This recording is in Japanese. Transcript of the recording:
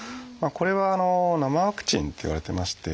これは「生ワクチン」っていわれてまして。